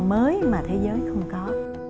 mới mà thế giới không có